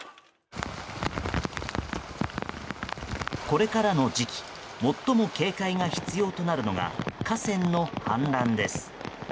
これからの時期最も警戒が必要となるのが河川の氾濫です。